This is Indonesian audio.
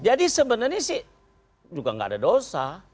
jadi sebenarnya sih juga gak ada dosa